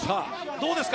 どうですか？